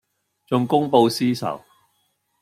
仲公報私仇